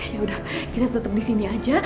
yaudah kita tetap disini aja